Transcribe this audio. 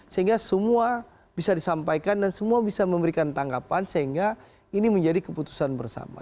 sehingga semua bisa disampaikan dan semua bisa memberikan tanggapan sehingga ini menjadi keputusan bersama